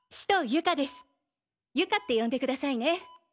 友嘉って呼んでくださいね。